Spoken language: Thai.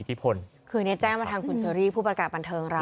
ที่พลคืออันนี้แจ้งมาทางคุณเชอรี่ผู้ประกาศบันเทิงเรา